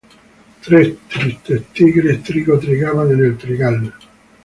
Tres tristes tigres trigo trigaban en el trigal